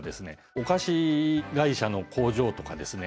お菓子会社の工場とかですね